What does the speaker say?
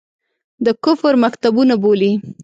د کفر مکتبونه بولي.